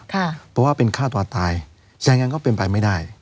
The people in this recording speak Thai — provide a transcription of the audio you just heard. เพราะว่าเป็นฆ่าตัวตายฉะนั้นก็เป็นไปไม่ได้